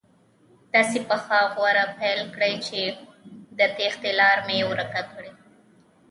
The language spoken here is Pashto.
داسې پخه غوره پیل کړي چې د تېښتې لاره مې ورکه کړي.